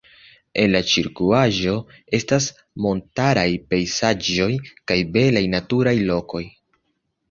En la ĉirkaŭaĵo estas montaraj pejzaĝoj kaj belaj naturaj lokoj.